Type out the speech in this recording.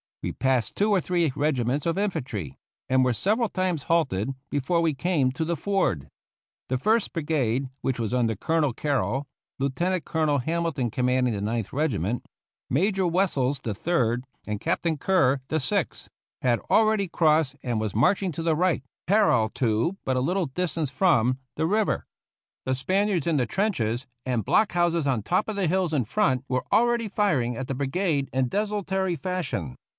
We passed two or three regiments of infantry, and were several times halted before we came to the ford. The First Brigade, which was under Colonel Carroll — Lieu ii8 THE CAVALRY AT SANTIAGO tenant Colonel Hamilton commanding the Ninth Regiment, Major Wessels the Third, and Captain Kerr the Sixth — had already crossed and was marching to the right, parallel to, but a little dis tance from, the river. The Spaniards in the trenches and block houses on top of the hills in front were already firing at the brigade in desul tory fashion.